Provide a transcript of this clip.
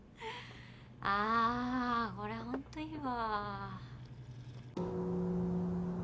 あこれホントいいわ。